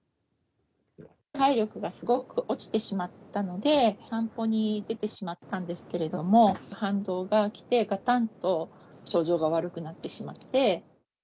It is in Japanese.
体力がすごく落ちてしまったので、散歩に出てしまったんですけれども、反動がきて、がたんと症状が悪くなってしまって。